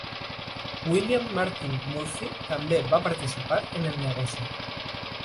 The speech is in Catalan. William Martin Murphy també va participar en el negoci.